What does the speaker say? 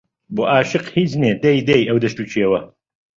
بۆ ئاشق هیچ نێ دەی دەی ئەو دەشت و کێوە